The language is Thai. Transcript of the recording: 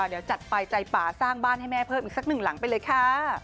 เดี๋ยวจัดไปใจป่าสร้างบ้านให้แม่เพิ่มอีกสักหนึ่งหลังไปเลยค่ะ